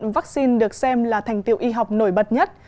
vắc xin được xem là thành tiệu y học nổi bật nhất